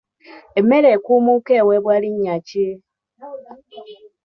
Emmere ekuumuuka eweebwa linnya ki?